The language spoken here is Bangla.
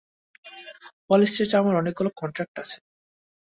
ওয়াল স্ট্রিটে আমার অনেকগুলো কন্টাক্ট আছে।